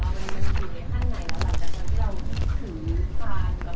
ตอนนี้ก็ว่าการของความรับรู้สึกในข้างใน